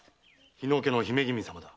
日野家の姫君様だ。